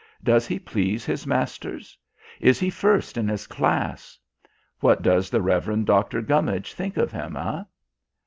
"Does he please his masters? Is he first in his class? What does the reverend Dr. Gummidge think of him, eh?"